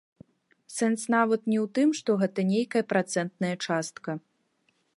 Сэнс нават не ў тым, што гэта нейкая працэнтная частка.